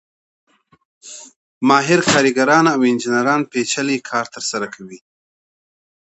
ماهر کارګران او انجینران پېچلی کار ترسره کوي